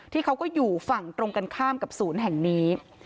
เขาก็อยู่ฝั่งตรงกันข้ามกับศูนย์แห่งนี้